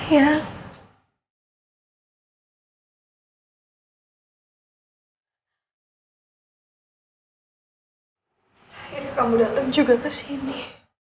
ini kamu datang juga ke sini